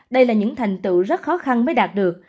đây là những thành tựu rất khó khăn mới đạt được